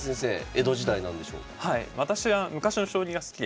江戸時代なんでしょうか。